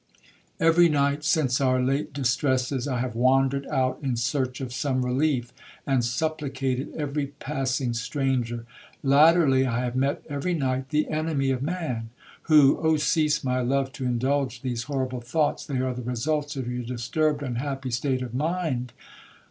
—'Every night since our late distresses, I have wandered out in search of some relief, and supplicated every passing stranger;—latterly, I have met every night the enemy of man, who'—'Oh cease, my love, to indulge these horrible thoughts,—they are the results of your disturbed unhappy state of mind.'